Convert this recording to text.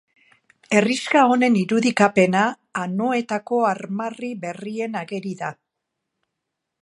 Herrixka honen irudikapena Anoetako armarri berrian ageri da.